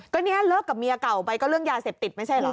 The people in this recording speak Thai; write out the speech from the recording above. ก็เนี่ยเลิกกับเมียเก่าไปก็เรื่องยาเสพติดไม่ใช่เหรอ